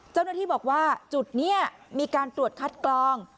เจ้าหน้าที่บอกว่าจุดนี้มีการตรวจคัดกรอง